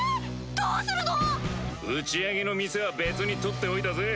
どうするの⁉打ち上げの店は別に取っておいたぜ。